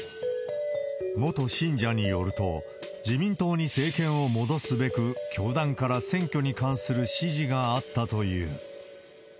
元信者によると、自民党に政権を戻すべく、教団から選挙に関する指示があったという。